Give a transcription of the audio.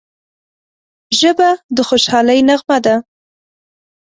ژبه د خوشحالۍ نغمه ده